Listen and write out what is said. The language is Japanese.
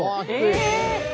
え！